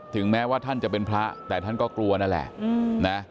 แม้ว่าท่านจะเป็นพระแต่ท่านก็กลัวนั่นแหละนะ